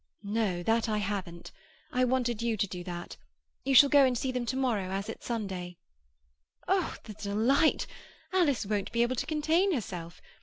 "No, that I haven't. I want you to do that. You shall go and see them to morrow, as it's Sunday." "Oh, the delight! Alice won't be able to contain herself.